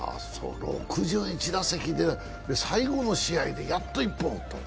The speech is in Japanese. ６１打席で、最後の試合でやっと１本。